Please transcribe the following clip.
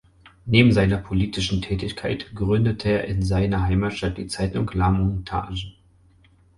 Neben seiner politischen Tätigkeit gründete er in seiner Heimatstadt die Zeitung "La Montagne".